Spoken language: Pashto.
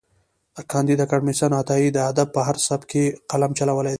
کانديد اکاډميسن عطايي د ادب په هر سبک کې قلم چلولی دی.